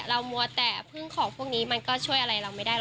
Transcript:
มัวแต่พึ่งของพวกนี้มันก็ช่วยอะไรเราไม่ได้ห